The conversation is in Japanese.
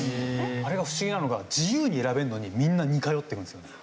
あれが不思議なのが自由に選べるのにみんな似通ってるんですよね。